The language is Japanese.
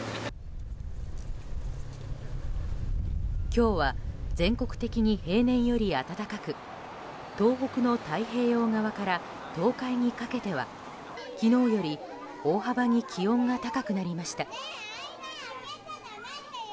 今日は全国的に平年より暖かく東北の太平洋側から東海にかけては、昨日より大幅に気温が高くなりました。